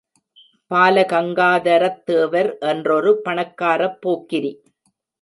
பால கங்காதரத் தேவர் என்றொரு பணக்காரப் போக்கிரி.